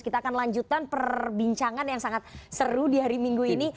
kita akan lanjutkan perbincangan yang sangat seru di hari minggu ini